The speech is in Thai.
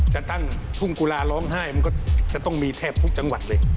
จะตั้งทุ่งกุลาร้องไห้มันก็จะต้องมีแทบทุกจังหวัดเลย